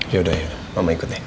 ya udah ya udah mama ikut ya